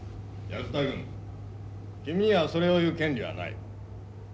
安田君君にはそれを言う権利はない。